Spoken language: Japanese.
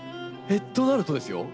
となるとですよ